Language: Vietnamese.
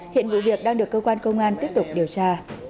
hiện vụ việc đang được cơ quan công an tiếp tục điều tra